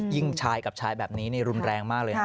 ชายกับชายแบบนี้รุนแรงมากเลยนะ